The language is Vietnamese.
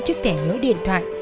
trước thẻ nhớ điện thoại